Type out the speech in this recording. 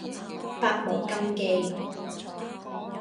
百無禁忌